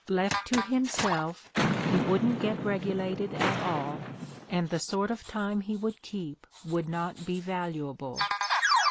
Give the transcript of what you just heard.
Left to himself, he wouldn't get regulated at all, and the sort of time he would keep would not be valuable."